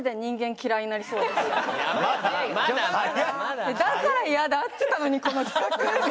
だから嫌だっつったのにこの企画って。